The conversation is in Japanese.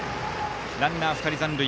ランナー、２人残塁。